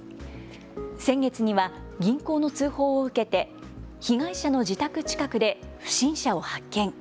先月には銀行の通報を受けて被害者の自宅近くで不審者を発見。